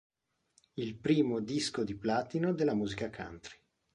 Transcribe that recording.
Il primo disco di platino della musica country.